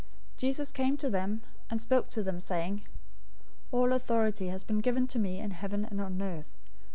028:018 Jesus came to them and spoke to them, saying, "All authority has been given to me in heaven and on earth.